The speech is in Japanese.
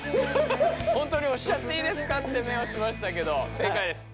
ほんとにおしちゃっていいですかって目をしましたけど正解です。